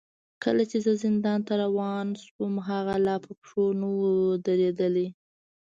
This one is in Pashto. کله چې زه زندان ته روان شوم، هغه لا په پښو نه و درېدلی.